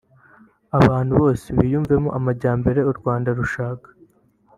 abantu bose biyumvemo amajyambere u Rwanda rushaka